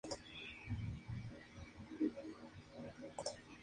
Hasta la fecha, los artífices canarios se ocupaban de aprender de los artistas foráneos.